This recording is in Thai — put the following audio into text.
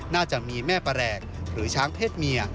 น่าจะมีแม่แปลกหรือช้างเพศเมีย